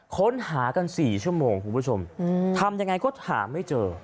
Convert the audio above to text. ค้นหากัน๔ชั่วโมงคุณผู้ชมทำยังไงก็หาไม่เจอ